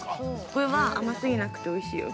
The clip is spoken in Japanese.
これは、甘すぎなくておいしいよ。